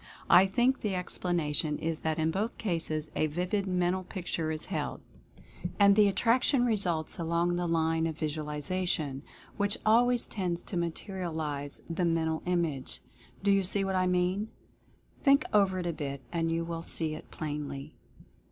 I think the ex planation is that in both cases a vivid Mental Picture is held, and the attraction results along the line of Personal Atmosphere 195 Visualization, which always tends to Materialize the Mental Image. Do you see what I mean? Think over it a bit and you will see it plainly.